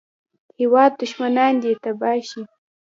هېواده دوښمنان دې تباه شه